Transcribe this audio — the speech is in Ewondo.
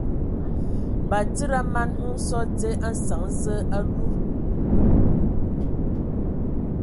Batsidi a mana hm sɔ dzyē a nsəŋ Zǝə a ludǝtu.